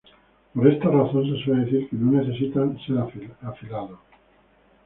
Por esta razón se suele decir que no necesitan ser afilados.